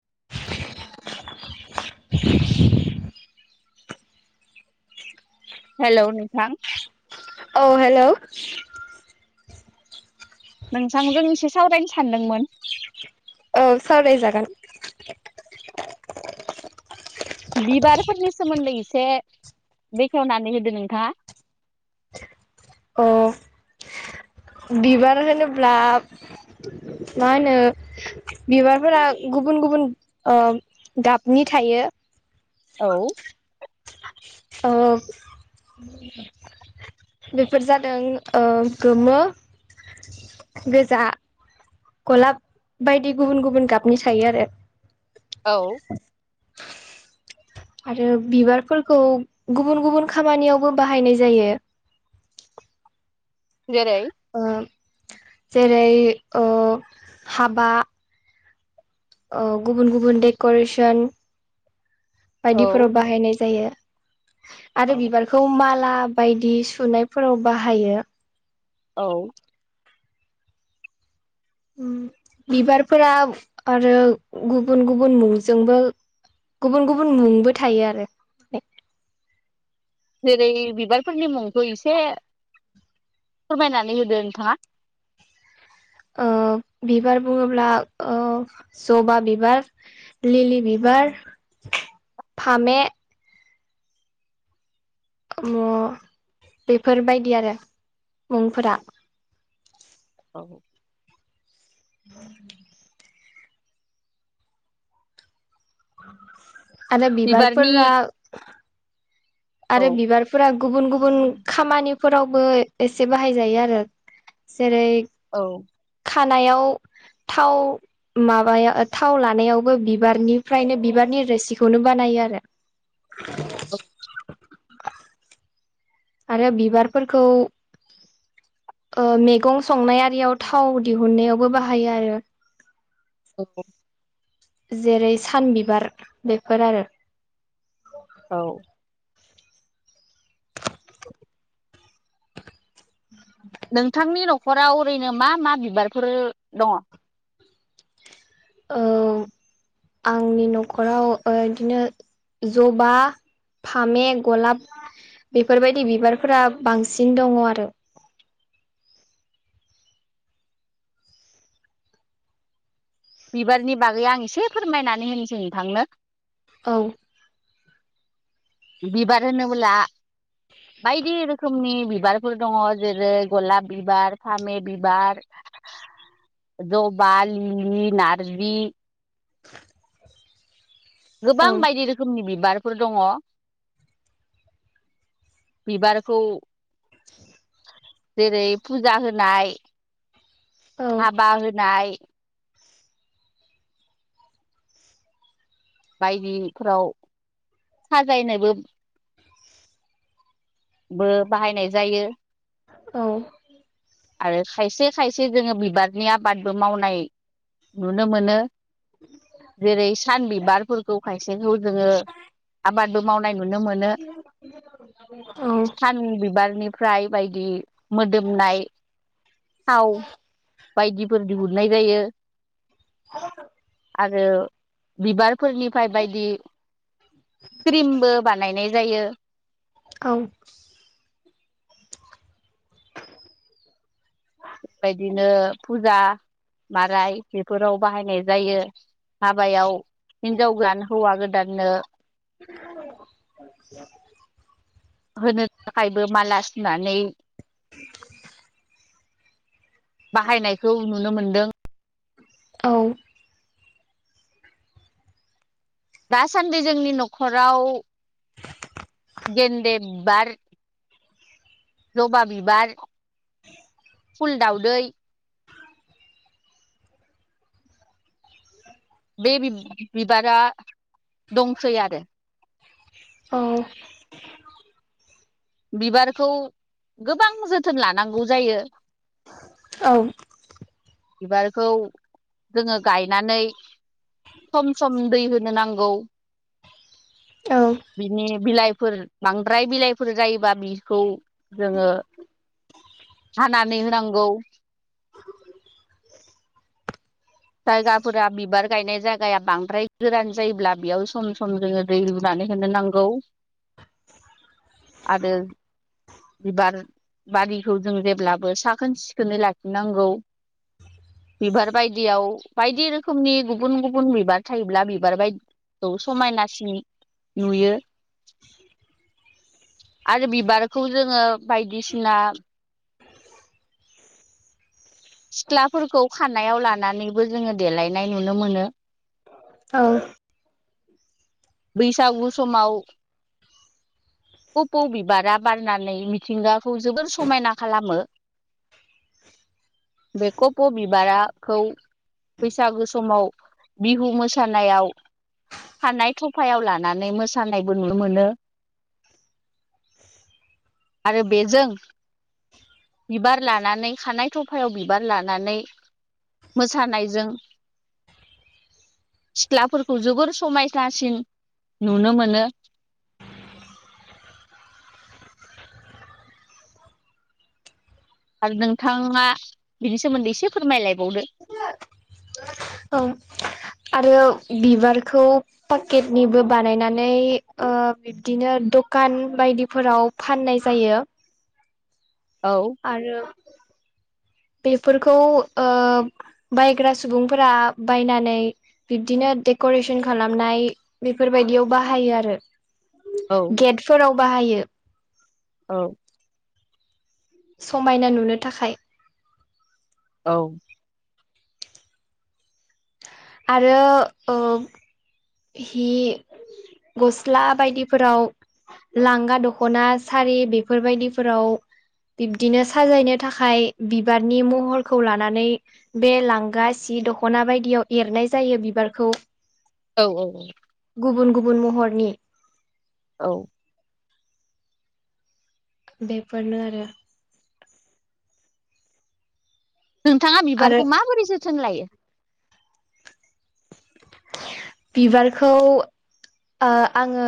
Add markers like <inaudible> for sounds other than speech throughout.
<unintelligible> हेल' नोंथां औ हेलौ नोंथांजों एसे सावरायनो सानदोंमोन औ सावरायजागोन। बिबारफोरनि सोमोन्दै एसे बेखेवनानै होदो नोंथाङा? <inaudible> अ' बिबार होनोब्ला मा होनो बिबारफोरा गुबुन गुबुन ओ गाबनि थायो। औ अ बेफोर जादों ओ गोमो गोजा गलाब बायदि गुबुन गुबुन गाबनि थायो आरो। औ आरो बिबारफोरखौ गुबुन गुबुन खामानियावबो बाहायनाय जायो। जेरै ओ जेरै ओ हाबा ओ गुबुन गुबुन डेक'रेसन औ बायदिफोराव बाहायनाय जायो। आरो औ बिबारखौ माला बायदि सुनायफोराव बाहायो। औ फम बिबारफोरा आरो गुबुन गुबुन मुंजोंबो गुबुन गुबुन मुंबो थायो आरो जेरै बिबारफोरनि मुंखौ इसे फोरमायनानै होदो नोंथाङा। ओ बिबार बुङोब्ला जबा बिबार लिलि बि बार फामे म बेफोरबायदि आरो मुंफोरा औ <inaudible> आरो बिबारनि बिबारफोरा औ आरो बिबारफोरा गुबुन गु बुन खामानिफोरावबो एसे बाहायजायो आरो जेरै औ खानायाव थाव माबाया ओ थाव लानायावबो बिबारनिफ्रायनो बिबारनि रोसिखौनो बाना यो आरो‌ <unintelligible> आरो बिबारफोरखौ ओ मेगं संनायआरियाव थाव दिहुननायावबो बाहायो आरो। <unintelligible> जेरै सान बिबार बेफोर आरो। औ नोंथांनि न'खराव ओरैनो मा मा बिबारफोर दङ'? औ आंनि न'खराव ओ इदिनो ज'बा फामे गलाब बेफोरबायदि बिबारफोरा बांसिन दङ' आरो। <inaudible> बिबारनि बागै आं इसे फोरमायनानै होनोसै नोंथांनो। औ बिबार होनोबोला बायदि रोखोमनि बिबारफोर दङ' जेरै गलाब बिबार फामे बिबार ज'बा लिलि नारबि <inaudible> गोबां औ बायदि रोखोमनि बि बारफोर दङ'। बिबारखौ <inaudible> जेरै फुजा होनाय औ हाबा होनाय बायदिफोराव साजायनोबो बो बाहायनाय जायो। औ। आरो खायसे खायसे जोङो बिबारनि आबादबो मावनाय नुनो मोनो। जेरै सान बिबारफोरखौ खायसेखौ जोङो आबादबो मावनाय नुनो मोनो। औ सान बिबारनिफ्राय बायदि मोदोमनाय थाव बायदिफोर दिहुननाय जायो। आरो बिबार फोरनिफाय बायदि क्रिमबो बानायनाय जायो। औ। बेबायदिनो फुजा माराय बेफोराव बाहायनाय जायो। हाबायाव हिनजाव गोदान हौवा गोदाननो <inaudible> नानै। बाहायनायखौ नुनो मोनदों। औ दासान्दै जोंनि न'खराव गेन्दे बिबार ज'बा बिबार फुल दावदै बे बिब-बिबारा दंसै आरो। औ बिबारखौ गोबां जोथोन लानांगौ जायो। औ बिबारखौ जोङो गायनानै सम सम दै होनो नांगौ। बिनि बिलाइफोर बांद्राय बिलाइ सुफुर जायोबा बिखौ जोङो हानानै होनांगौ। जायगाफोरा बिबार गायनाय जायगाया बांद्राय गोरान जायोब्ला, बेयाव सम सम जोङो दै रुनानै होनोनांगौ। आरो बिबार बारिखौ जों जेब्लाबो साखोन सिखोनै लाखिनांगौ। बिबार बाय बायदियाव बायदि रोखोमनि गुबुन गुबुन बिबार थायोब्ला बिबार बायदिखौ समायनासिन नुयो। आरो बिबारखौ जोङो बायदिसिना सिख्लाफोरखौ खानायाव लानानैबो जोङो देलायनाय नुनो मोनो। औ। बैसागु समाव कपौ बिबारा बारनानै मिथिंगाखौ जोबोर समायना खालामो। बे कपौ' बिबाराखौ बैसागु समाव बिहु मोसानायाव खानाय थफायाव लानानै मोसानायबो नुनो मोनो। आरो बेजों बिबार लानानै खानाय थफायाव बिबार लानानै मोसानायजों सिख्लाफोरखौ जोबोर समायसासिन नुनो मोनो। आरो नोंथाङा बिनि सोमोन्दै एसे फोरमायलायबावदो औ। आरो बिबारखौ पाकेटनिबो बानायनानै ओ बिब्दिनो दखान बायदिफोराव फाननाय जायो। औ आरो बेफोरखौ ओ बायग्रा सुबुंफोरा बायनानै बिब्दिनो देक'रेसन खालामनाय बेफोरबाय बायदियाव बायो आरो औ गेटफोराव बाहायो। औ। समायना नुनो थाखाय। औ। आरो ओ हि गस्ला बायदिफोराव लांगा दख'ना, सारि बेफोरबायदिफोराव बिब्दिनो साजायनो थाखाय बिबारनि महरखौ लानानै बे लांगा सि दख'ना बायदियाव एरनाय जायो बिबारखौ। औ औ औ। गुबुन गुबुन महरनि औ। बेफोरारनो आरो आरो। नोंथाङा आरो बिबारखौ माबोरै जोथोन लायो? बिबारखौ ओ आङो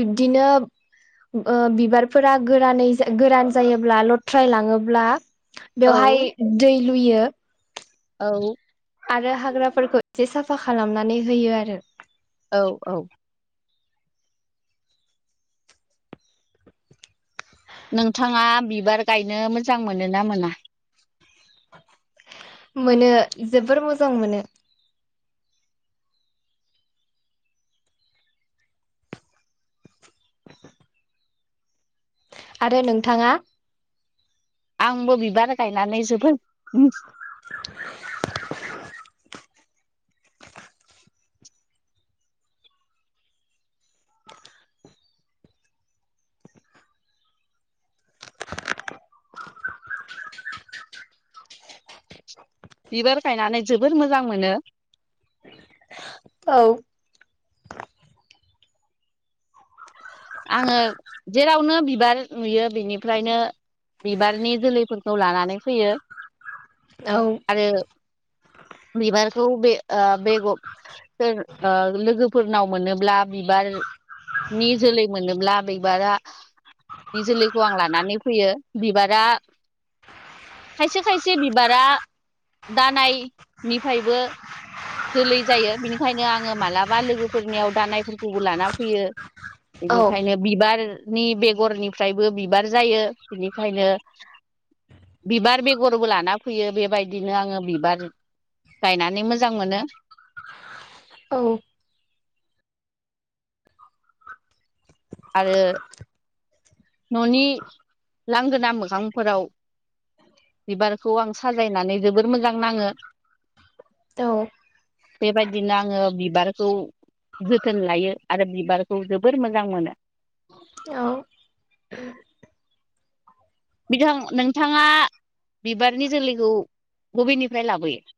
बिब्दिनो ओ बिबारफोरा गोरानै गोरान जायोब्ला लथ्राय लाङोब्ला औ बेवहाय दै लुयो। औ। आरो हाग्राफोरखौ एसे साफा खालामनानै होयो आरो। औ औ। नोंथाङा बिबार गायनो मोजां मोनो ना मोना? मोनो जोबोर मोजां मोनो। आरो नोंथाङा आंबो बिबार गायनानै जोबोद <inaudible> बिबार गायनानै जबोोर मोजां मोनो। औ आङो जेरावनो बिबार नुयो बिनिफ्रायनो बिबारनि जोलैफोरखौ लानानै फैयो औ आरो बिबारखौ बे ओ बेगर लोगोफोरनाव मोनोब्ला बिबार नि जोलै मोनोब्ला बिबारा नि जोलैखौ आं लानानै फैयो बिबारा खायसे खायसे बिबारा दानायनिफायबो। जोलै जायो बिनिखायनो आङो मालाबा लोगोफोरनियाव दानायफोरखौबो लाना फैयो। औ बेनिखायनो बिबार नि बेगरनिफ्रायबो बिबार जायो बिनिखायनो बिबार बेगरबो लाना फैयो बेबायदिनो आङो बिबार गायनानै मोजां मोजां मोनो। औ आरो न'नि लांगोना मोखांफोराव बिबारखौ आं साजायनानै जोबोर मोजां नाङो। औ। बेबायदिनो आङो बिबारखौ जोथोन लायो आरो बिबारखौ जोबोर मोजां मोनो। औ बिथां नोंथाङा बिबारनि जोलैखौ बबेनिफ्राय लाबोयो? <inaudible>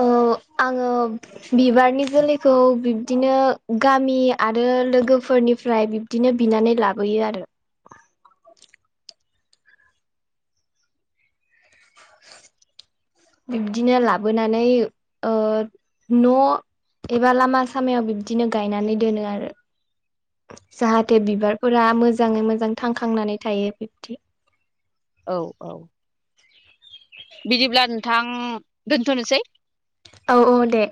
ओ। आङो बिबारनि जोलैखौ बिब्दिनो गामि आरो लोगोफोर फोरनिफ्राय बिब्दिनो बिनानै लाबोयो आरो बिब्दिनो लाबोनानै ओ न' एबा लामा सामायाव बिब्दिनो गायनानै दोनो आरो जाहाथे बिबारफोरा मोजाङै मोजां थांखांनानै थायो बिब्दि। औ औ। बिदिब्ला नोंथां दोनथ'नोसै। औ औ दे।